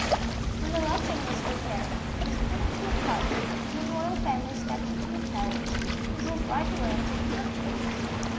When luncheon was prepared it was put into a cart, and the royal family stepped into a carriage and drove right away into the country.